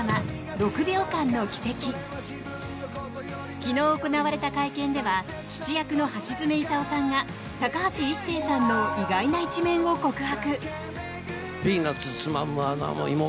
昨日行われた会見では父役の橋爪功さんが高橋一生さんの意外な一面を告白。